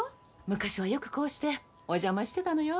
昔はよくこうしてお邪魔してたのよ。